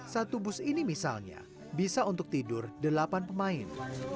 satu bus ini misalnya bisa untuk tidur delapan pemain